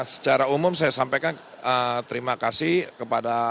secara umum saya sampaikan terima kasih kepada